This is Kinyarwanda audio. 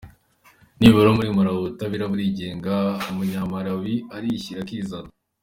Nibura muri Malawi ubutabera burigenga, umunyamalawi arishyira akizana.